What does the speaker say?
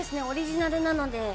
オリジナルなので。